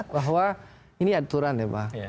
bahwa ini aturan ya pak